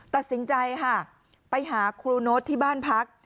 ตัดสินใจค่ะไปหาครูโน๊ตที่บ้านพัก